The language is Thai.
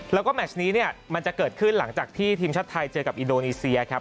แล้วก็แมชนี้เนี่ยมันจะเกิดขึ้นหลังจากที่ทีมชาติไทยเจอกับอินโดนีเซียครับ